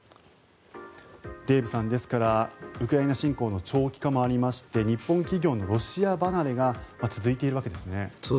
デーブさん、ですからウクライナ侵攻の長期化もありまして日本企業のロシア離れが続いているわけですね。